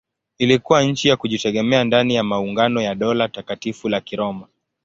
Ilikuwa nchi ya kujitegemea ndani ya maungano ya Dola Takatifu la Kiroma.